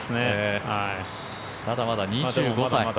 ただ、まだ２５歳。